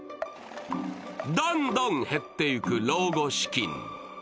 どんどん減っていく老後資金。